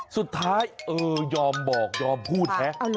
สุดท้ายยอมบอกยอมพูดแท้